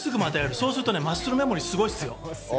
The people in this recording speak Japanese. そうするとマッスルメモリーってすごいですよ。